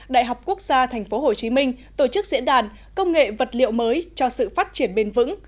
đại học quốc gia tp hcm tổ chức diễn đàn công nghệ vật liệu mới cho sự phát triển bền vững